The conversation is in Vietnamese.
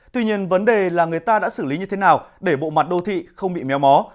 tuy nhiên vấn đề là người ta đã xử lý như thế nào để bộ mặt đô thị không bị méo mó